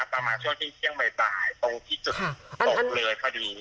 ประมาณช่วงที่เที่ยงบ่ายตรงที่จุดตกเลยพอดี